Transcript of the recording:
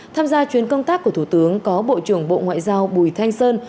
tham gia chuyến công tác của thủ tướng có bộ trưởng bộ ngoại giao bùi thanh sơn